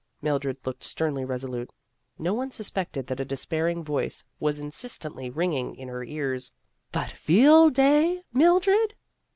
Mildred looked sternly resolute ; no one suspected that a despairing voice was insistently ringing in her ears :" But Field Day, Mildred